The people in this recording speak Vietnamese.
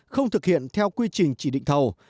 không thực hiện theo quy trình chỉ định thầu